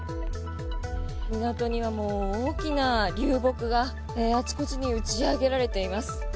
港には大きな流木があちこちに打ち上げられています。